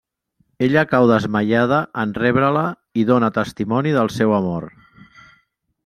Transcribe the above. Ella cau desmaiada en rebre-la i dóna testimoni del seu amor.